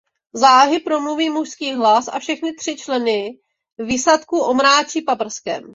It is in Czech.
Záhy promluví mužský hlas a všechny tři členy výsadku omráčí paprskem.